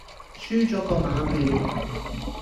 輸左個馬鼻